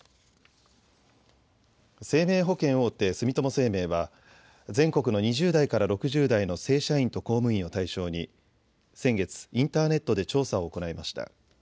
生命保険大手、住友生命は全国の２０代から６０代の正社員と公務員を対象に先月、インターネットで調査を行いました。